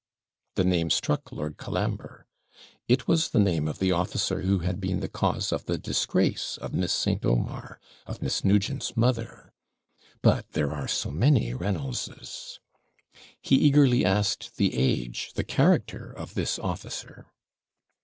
The name struck Lord Colambre; it was the name of the officer who had been the cause of the disgrace of Miss St. Omar of Miss Nugent's mother. 'But there are so many Reynoldses.' He eagerly asked the age the character of this officer.